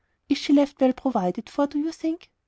"Is she left well provided for, do you think?"